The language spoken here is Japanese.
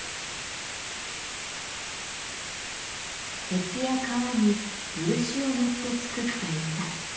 鉄や革に漆を塗って作った板。